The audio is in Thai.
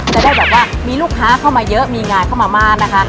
จะได้แบบว่ามีลูกค้าเข้ามาเยอะมีงานเข้ามามากนะคะ